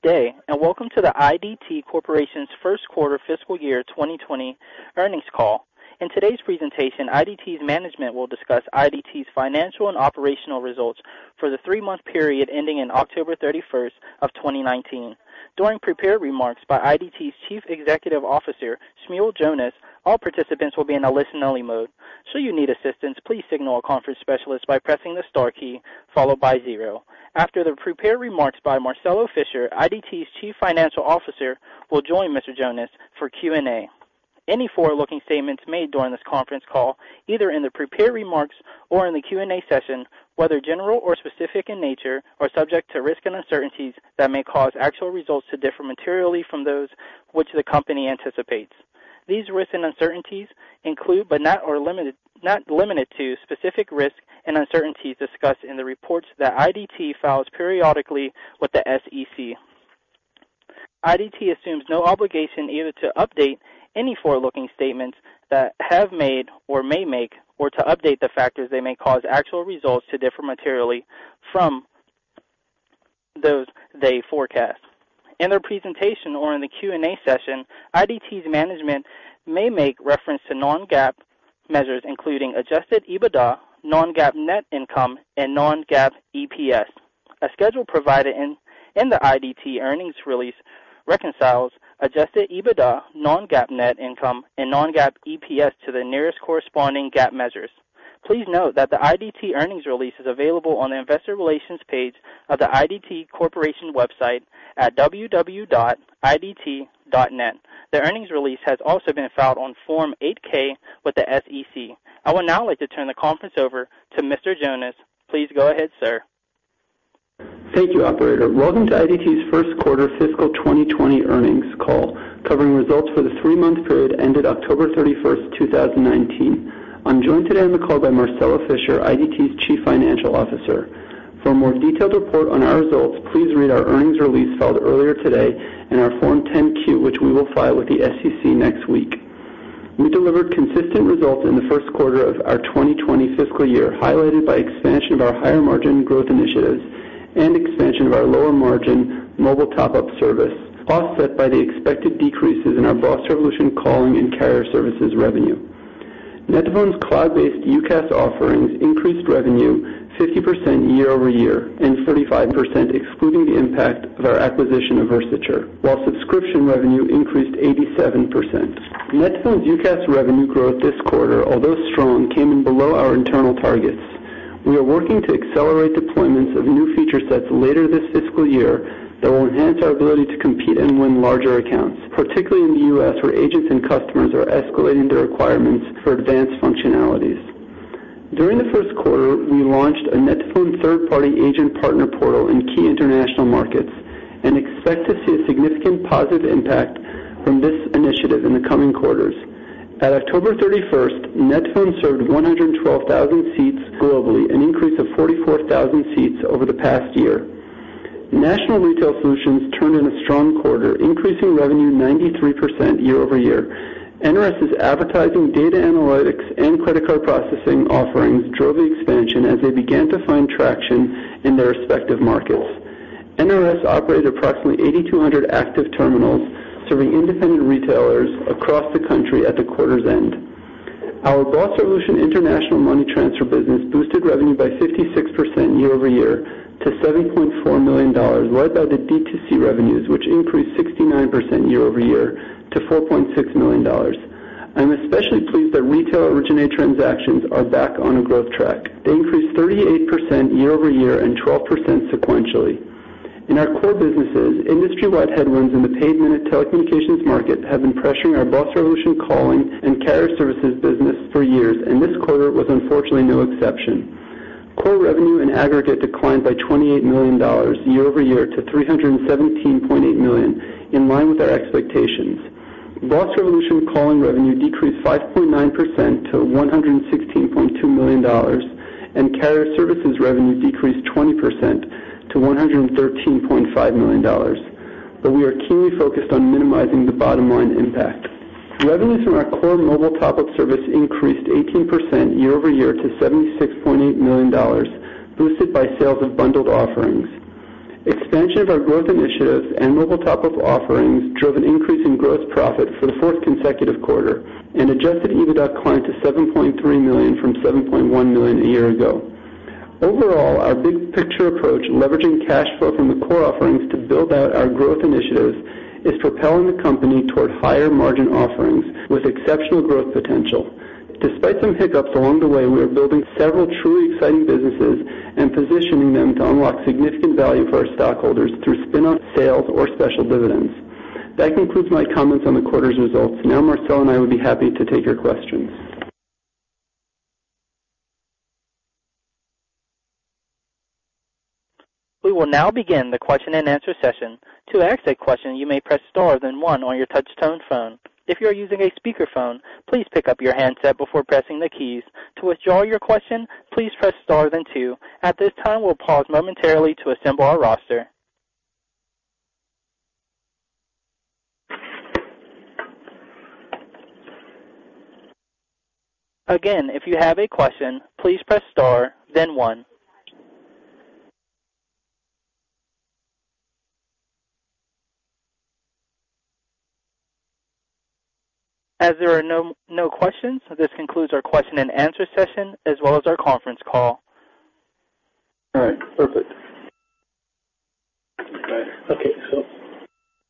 Good day, and welcome to the IDT Corporation's first quarter fiscal year 2020 earnings call. In today's presentation, IDT's management will discuss IDT's financial and operational results for the three-month period ending in October 31st of 2019. During prepared remarks by IDT's Chief Executive Officer, Shmuel Jonas, all participants will be in a listen-only mode. Should you need assistance, please signal a conference specialist by pressing the star key followed by zero. After the prepared remarks by Marcelo Fischer, IDT's Chief Financial Officer will join Mr. Jonas for Q&A. Any forward-looking statements made during this conference call, either in the prepared remarks or in the Q&A session, whether general or specific in nature, are subject to risk and uncertainties that may cause actual results to differ materially from those which the company anticipates. These risks and uncertainties include, but are not limited to, specific risks and uncertainties discussed in the reports that IDT files periodically with the SEC. IDT assumes no obligation either to update any forward-looking statements that it has made or may make, or to update the factors that may cause actual results to differ materially from those they forecast. In their presentation or in the Q&A session, IDT's management may make reference to non-GAAP measures including Adjusted EBITDA, non-GAAP net income, and non-GAAP EPS. A schedule provided in the IDT earnings release reconciles Adjusted EBITDA, non-GAAP net income, and non-GAAP EPS to the nearest corresponding GAAP measures. Please note that the IDT earnings release is available on the investor relations page of the IDT Corporation website at www.idt.net. The earnings release has also been filed on Form 8-K with the SEC. I would now like to turn the conference over to Mr. Jonas. Please go ahead, sir. Thank you, Operator. Welcome to IDT's first quarter fiscal 2020 earnings call covering results for the three-month period ended October 31st, 2019. I'm joined today on the call by Marcelo Fischer, IDT's Chief Financial Officer. For a more detailed report on our results, please read our earnings release filed earlier today and our Form 10-Q, which we will file with the SEC next week. We delivered consistent results in the first quarter of our 2020 fiscal year, highlighted by expansion of our higher margin growth initiatives and expansion of our lower margin mobile top-up service, offset by the expected decreases in our BOSS Revolution calling and carrier services revenue. net2phone's cloud-based UCaaS offerings increased revenue 50% year over year and 45% excluding the impact of our acquisition of Versature, while subscription revenue increased 87%. net2phone's UCaaS revenue growth this quarter, although strong, came in below our internal targets. We are working to accelerate deployments of new feature sets later this fiscal year that will enhance our ability to compete and win larger accounts, particularly in the U.S. where agents and customers are escalating their requirements for advanced functionalities. During the first quarter, we launched a net2phone third-party agent partner portal in key international markets and expect to see a significant positive impact from this initiative in the coming quarters. At October 31st, net2phone served 112,000 seats globally, an increase of 44,000 seats over the past year. National Retail Solutions turned in a strong quarter, increasing revenue 93% year over year. NRS's advertising, data analytics, and credit card processing offerings drove the expansion as they began to find traction in their respective markets. NRS operated approximately 8,200 active terminals serving independent retailers across the country at the quarter's end. Our BOSS Money international money transfer business boosted revenue by 56% year over year to $7.4 million, led by the DTC revenues, which increased 69% year over year to $4.6 million. I'm especially pleased that retail-originated transactions are back on a growth track. They increased 38% year over year and 12% sequentially. In our core businesses, industry-wide headwinds in the paid minute telecommunications market have been pressuring our BOSS Revolution calling and carrier services business for years, and this quarter was unfortunately no exception. Core revenue in aggregate declined by $28 million year over year to $317.8 million, in line with our expectations. BOSS Revolution calling revenue decreased 5.9% to $116.2 million, and carrier services revenue decreased 20% to $113.5 million. But we are keenly focused on minimizing the bottom line impact. Revenues from our core mobile top-up service increased 18% year over year to $76.8 million, boosted by sales of bundled offerings. Expansion of our growth initiatives and mobile top-up offerings drove an increase in gross profit for the fourth consecutive quarter and Adjusted EBITDA climbed to $7.3 million from $7.1 million a year ago. Overall, our big picture approach, leveraging cash flow from the core offerings to build out our growth initiatives, is propelling the company toward higher margin offerings with exceptional growth potential. Despite some hiccups along the way, we are building several truly exciting businesses and positioning them to unlock significant value for our stockholders through spin-offs, sales or special dividends. That concludes my comments on the quarter's results. Now, Marcelo and I would be happy to take your questions. We will now begin the question and answer session. To ask a question, you may press star then one on your touch-tone phone. If you are using a speakerphone, please pick up your handset before pressing the keys. To withdraw your question, please press star then two. At this time, we'll pause momentarily to assemble our roster. Again, if you have a question, please press star then one. As there are no questions, this concludes our question and answer session as well as our conference call. All right. Perfect. Okay. Okay. So.